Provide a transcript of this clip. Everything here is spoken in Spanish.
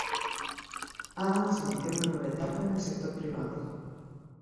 Adams inició una nueva etapa en el sector privado.